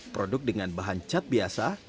produk dengan bahan cat biasa